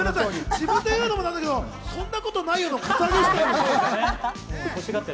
自分でいうのもなんだけど、「そんなことないよ！」のカツアゲしたでしょ。